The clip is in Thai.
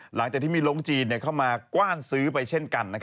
หลังจากที่มีลงจีนเข้ามากว้านซื้อไปเช่นกัน